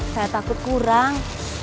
saya takut kurang